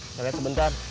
saya lihat sebentar